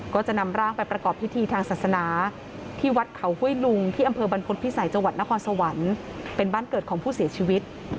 ก็จะนำร่างไปประกอบพิธีทางศาสนาที่วัดเขาห้วยลุงที่อำเภอบรรพฤษภิษัยจังหวัดนครสวรรค์เป็นบ้านเกิดของผู้เสียชีวิต